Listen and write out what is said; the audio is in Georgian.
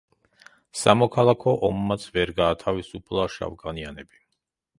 სამოქალაქო ომმაც ვერ გაათავისუფლა შავკანიანები.